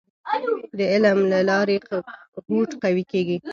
د علم له لارې هوډ قوي کیږي.